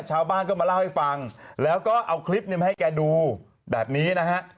ชาวบ้านก็มาเล่าให้ฟังแล้วก็เอาคลิปมาให้แกดูแบบนี้นะฮะ